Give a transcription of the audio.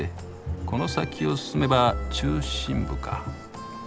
この先を進めば中心部か。